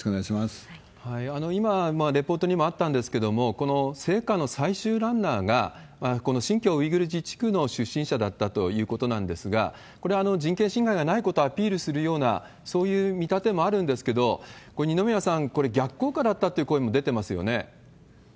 今レポートにもあったんですけれども、聖火の最終ランナーがこの新疆ウイグル自治区の出身者だったということなんですが、これ、人権侵害がないことをアピールするような、そういう見立てもあるんですけど、これ、二宮さん、これ、逆効果だったという声も出てますよね。